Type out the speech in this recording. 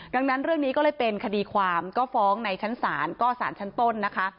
ดังนั้นเรื่องนี้ก็เลยเป็นคดีความก็ฟ้องในชั้นศาลก็สารชั้นต้นนะคะ